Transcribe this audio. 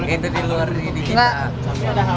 itu di luar diri kita